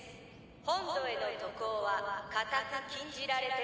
本土への渡航は固く禁じられており。